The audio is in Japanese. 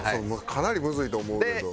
かなりむずいと思うけど。